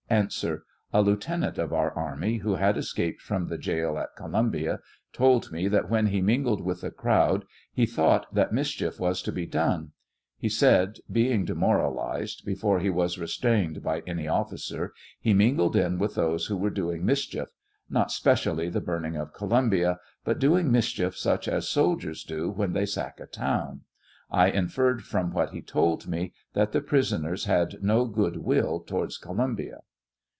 ] A. A lieutenant of our army, who had escaped from the jail at Columbia, told me "that when he mingled with the crowd, he thought that mischief was to be done ; he said, being demoralized, before he was restrain ed by any oflScer, he mingled in with those who were doing mischief; not specially the burning of Columbia, but doing mischief such as soldiers do when they sack a town ; I inferred from what he told me that the pris oners had no good will towards Columbia.